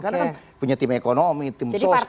karena kan punya tim ekonomi tim sosok